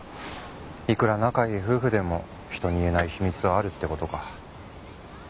いくら仲いい夫婦でも人に言えない秘密はあるって事か。